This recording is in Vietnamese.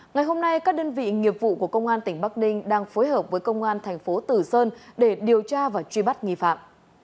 ngày hôm nay các đơn vị nghiệp vụ của công an tỉnh bắc ninh đang phối hợp với công an thành phố tử sơn để điều tra và truy bắt nghi phạm